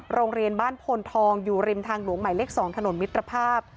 โรงเรียนบ้านพลทองอยู่ริมทางหลวงใหม่เลข๒ถนนมิตรภาพ